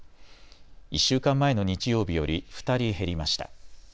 １週間前の日曜日より２人減りました。